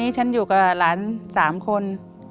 ฉันอยู่กับหลาน๓คน